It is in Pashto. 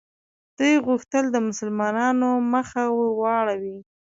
دوی غوښتل د مسلمانانو مخه ور واړوي.